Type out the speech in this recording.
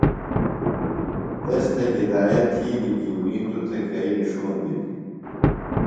تس تھےۡ ہدایت تِھیلیۡ کی می توۡ تھےۡ کھئی نِݜوݨ دِتیۡ۔